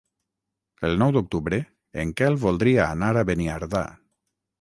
El nou d'octubre en Quel voldria anar a Beniardà.